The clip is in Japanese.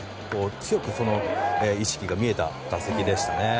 強くその意識が見えた打席でしたね。